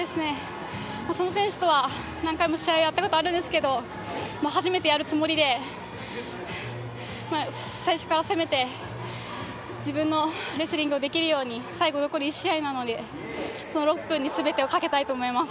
その選手とは何回も試合やったことあるんですけど、初めてやるつもりで、最初から攻めて、自分のレスリングをできるように、最後、残り１試合なので、その６分にすべてをかけたいと思います。